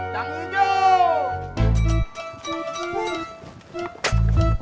tapi sekarang saya udah tahu alamat